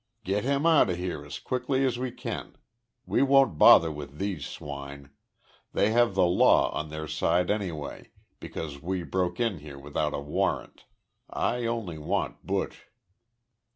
"Get him out of here as quickly as we can. We won't bother with these swine. They have the law on their side, anyway, because we broke in here without a warrant. I only want Buch."